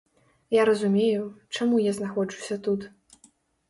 Я разумею, чаму я знаходжуся тут.